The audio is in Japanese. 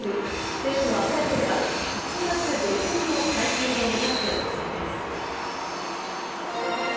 政府は早ければ１月下旬の再開を目指す方針です。